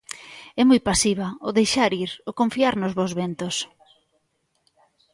É moi pasiva, o deixar ir, o confiar nos bos ventos.